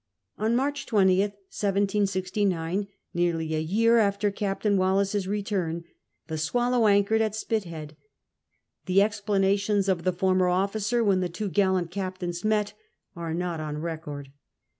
On March 20th, 1769, nearly a year after Captain Wallis's return, the Swullmo anchored at Spitheiid. The explanations of the former officer, when the two gallant captains met, are not on recoi d.